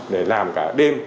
để làm cả đêm